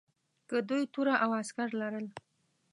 که دوی توره او عسکر لرل.